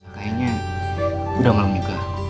kayaknya udah malam juga